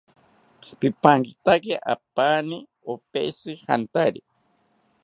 Pipankitaki apaani opeshi jantari